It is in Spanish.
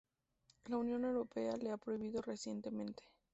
La Unión Europea lo ha prohibido recientemente.